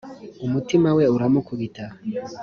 umutima we uramukubita